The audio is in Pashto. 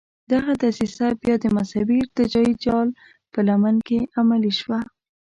دغه دسیسه بیا د مذهبي ارتجاعي جال په لمن کې عملي شوه.